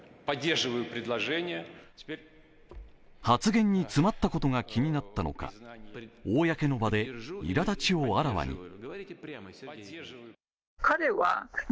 発言に詰まったことが気になったのか、公の場でいらだちをあらわに。